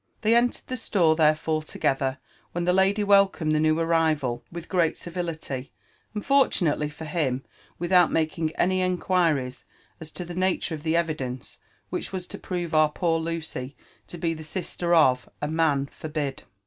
They entered the store therefore together, when the lady welcomed the new arrival with great civility, and, fortunately for him, without making any inquiries as to the nature of the evidence which was to prove our poor Lucy to be the sister of " a man forbid."